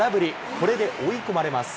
これで追い込まれます。